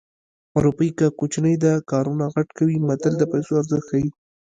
روپۍ که کوچنۍ ده کارونه غټ کوي متل د پیسو ارزښت ښيي